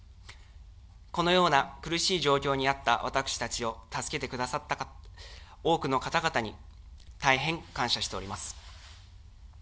このような苦しい状況にあった、私たちを助けてくださった多くの方々に大変感謝しております。